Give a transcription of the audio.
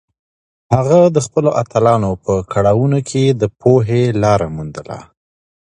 هغه د خپلو اتلانو په کړاوونو کې د پوهې لاره موندله.